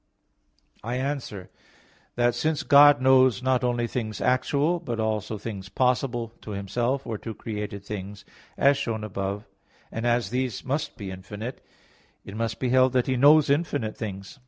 I answer that, Since God knows not only things actual but also things possible to Himself or to created things, as shown above (A. 9), and as these must be infinite, it must be held that He knows infinite things.